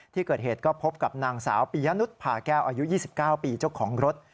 ที่เกิดเหตุก็พบกับนางสาวปียะนุษผ่าแก้วอายุ๒๙ปีเจ้าของรถ